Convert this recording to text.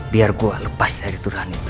biar gua lepas dari tuduhan itu